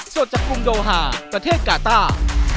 โจทย์จากกรุงโดฮาประเทศกาตา